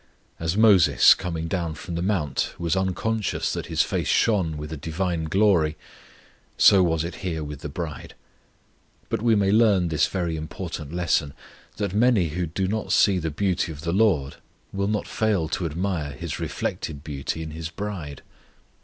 As Moses, coming down from the mount, was unconscious that his face shone with a divine glory, so was it here with the bride. But we may learn this very important lesson, that many who do not see the beauty of the LORD, will not fail to admire His reflected beauty in His bride.